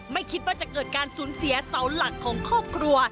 ไม่คิดว่าจะเกิดการสูญเสียเสาหลักของครอบครัว